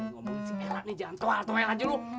ngomongin si elah nih jangan kewal